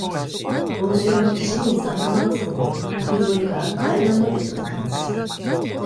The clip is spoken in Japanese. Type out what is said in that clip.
今週の市民参加マラソンは谷沿いから海岸まで続きます。